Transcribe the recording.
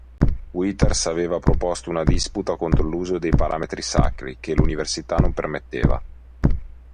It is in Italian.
Withers aveva proposto una disputa contro l'uso dei paramenti sacri, che l'università non permetteva.